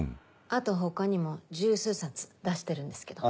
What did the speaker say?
あと他にも１０数冊出してるんですけど。